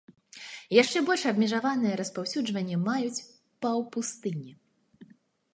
Яшчэ больш абмежаванае распаўсюджванне маюць паўпустыні.